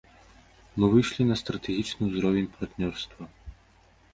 Мы выйшлі на стратэгічны ўзровень партнёрства.